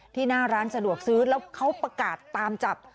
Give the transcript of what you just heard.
หน้าร้านสะดวกซื้อแล้วเขาประกาศตามจับ